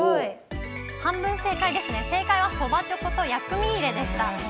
半分正解ですね、正解はそばちょこと薬味入れでした。